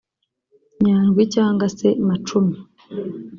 Nyandwi cyangwa se Macumi